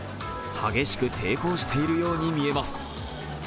激しく抵抗しているように見えます。